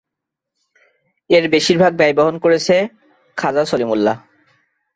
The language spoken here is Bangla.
এর বেশিরভাগ ব্যয় বহন করেছেন খাজা সলিমুল্লাহ।